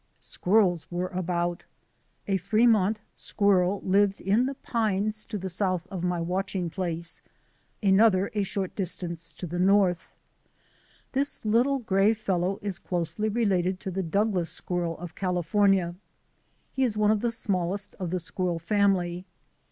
Squirrels were about. A Fremont squirrel lived in the pines to the south of my watching place, another a short distance to the north. This little gray fellow is closely related to the Douglas squirrel of California. He is one of the smallest of the squirrel family.